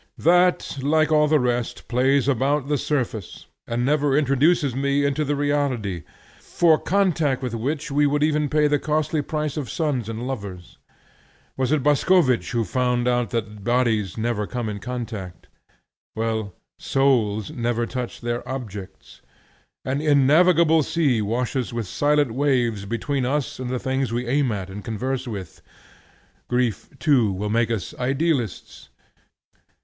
That, like all the rest, plays about the surface, and never introduces me into the reality, for contact with which we would even pay the costly price of sons and lovers. Was it Boscovich who found out that bodies never come in contact? Well, souls never touch their objects. An innavigable sea washes with silent waves between us and the things we aim at and converse with. Grief too will make us idealists.